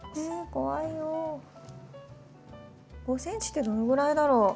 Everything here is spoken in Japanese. ５ｃｍってどのぐらいだろう？